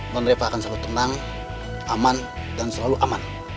nob reva akan selalu tenang aman dan selalu aman